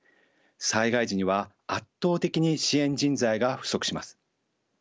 災害時には圧倒的に支援人材が不足します。